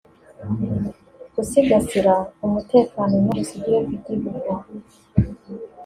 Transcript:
gusigasira umutekano n’ubusugire bw’igihugu